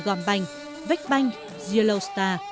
gòn bành vách banh yellow star